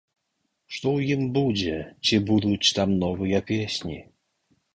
Што ў ім будзе, ці будуць там новыя песні?